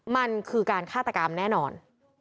มันคือการฆาตกรรมแน่นอน